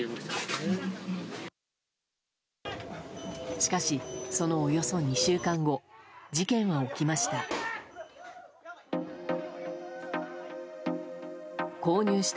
しかし、そのおよそ２週間後事件は起きました。